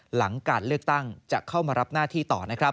หลังการเลือกตั้งจะเข้ามารับหน้าที่ต่อ